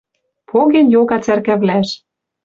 Поген-йога цӓркавлӓш.